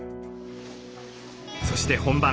そして本番。